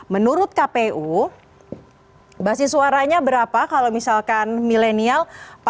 menurut kpu basis suaranya berapa kalau misalkan milenial